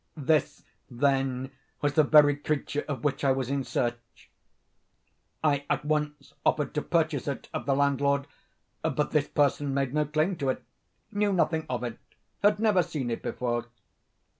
This, then, was the very creature of which I was in search. I at once offered to purchase it of the landlord; but this person made no claim to it—knew nothing of it—had never seen it before.